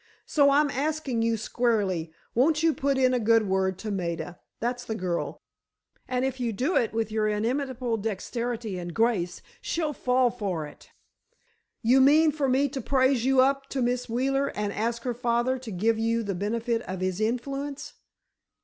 So—I'm asking you squarely—won't you put in a good word to Maida, that's the girl—and if you do it with your inimitable dexterity and grace, she'll fall for it." "You mean for me to praise you up to Miss Wheeler and ask her father to give you the benefit of his influence?"